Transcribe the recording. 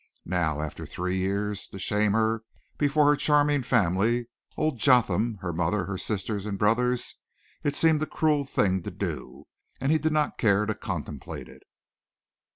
Now, after three years, to shame her before her charming family old Jotham, her mother, her sisters and brothers it seemed a cruel thing to do, and he did not care to contemplate it.